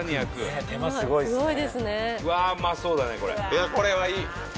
いやこれはいい！